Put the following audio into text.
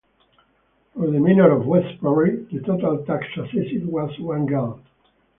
For the manor at West Perry the total tax assessed was one geld.